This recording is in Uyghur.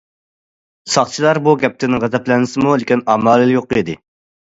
ساقچىلار بۇ گەپتىن غەزەپلەنسىمۇ، لېكىن ئامالى يوق ئىدى.